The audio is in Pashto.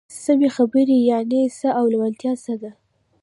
سمې خبرې يانې څه او لېوالتيا څه ده؟